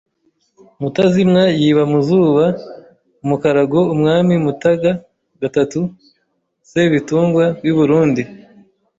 Mutazimwa yiba Mazuba umukarago Umwami Mutaga III Sebbitungwa w’i burundi